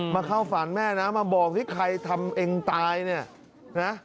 มาเข้าฝ่านแม่นะมาบอกที่ใครทำเองตายเนี่ย